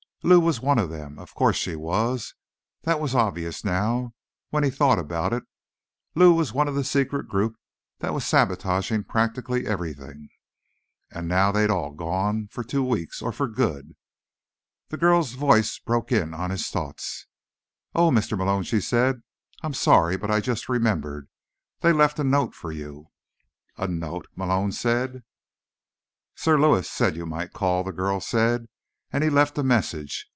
Lou was one of them. Of course she was; that was obvious now, when he thought about it. Lou was one of the secret group that was sabotaging practically everything. And now they'd all gone. For two weeks—or for good. The girl's voice broke in on his thoughts. "Oh, Mr. Malone," she said, "I'm sorry, but I just remembered. They left a note for you." "A note?" Malone said. "Sir Lewis said you might call," the girl said, "and he left a message.